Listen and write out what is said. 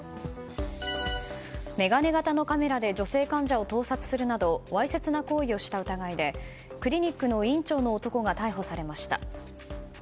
眼鏡型のカメラで女性患者を盗撮するなどわいせつな行為をした疑いでクリニックの院長の男が逮捕されました。